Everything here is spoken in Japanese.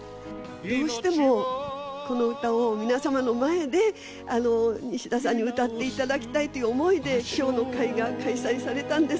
どうしてもこの歌を皆様の前で、西田さんに歌っていただきたいという思いで、きょうの会が開催されたんです。